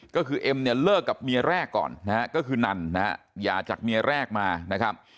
ก็คือเอ็มเนี่ยเลิกกับเมียแรกก่อนนะฮะก็คือนันนะฮะหย่าจากเมียแรกมานะครับ